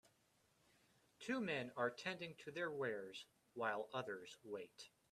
Two men are tending to their wares while others wait.